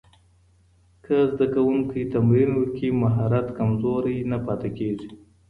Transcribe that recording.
که زده کوونکی تمرین وکړي، مهارت کمزوری نه پاتې کېږي.